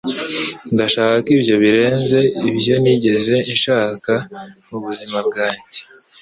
Ndashaka ko ibyo birenze ibyo nigeze nshaka mubuzima bwanjye